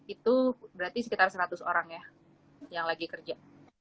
itu berarti sekitar seratus orang ya yang lagi kerja